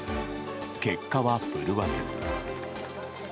結果は振るわず。